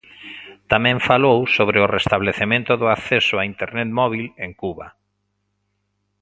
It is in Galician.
Tamén falou sobre o restabelecemento do acceso á internet móbil en Cuba.